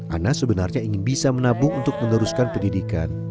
ana sebenarnya ingin bisa menabung untuk meneruskan pendidikan